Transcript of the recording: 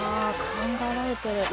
考えられてる。